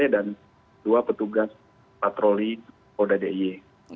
dan dua petugas patroli kota diyek